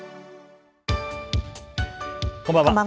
こんばんは。